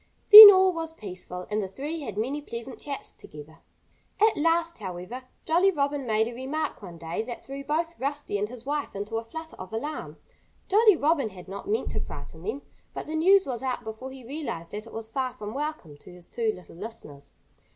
Then all was peaceful. And the three had many pleasant chats together. At last, however, Jolly Robin made a remark one day that threw both Rusty and his wife into a flutter of alarm. Jolly Robin had not meant to frighten them. But the news was out before he realized that it was far from welcome to his two little listeners.